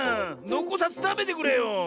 のこさずたべてくれよ。